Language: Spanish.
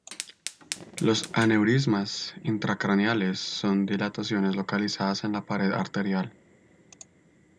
Los aneurismas intracraneales son dilataciones localizadas en la pared arterial.